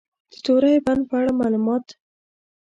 د توری بند په اړه لنډ معلومات: